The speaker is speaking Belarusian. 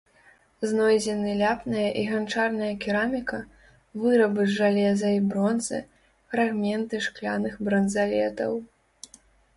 Знойдзены ляпная і ганчарная кераміка, вырабы з жалеза і бронзы, фрагменты шкляных бранзалетаў.